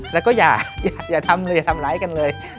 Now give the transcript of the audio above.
แล้วก็อย่าทำเลยอย่าทำร้ายกันเลย